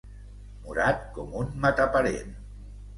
Morat com un mataparent.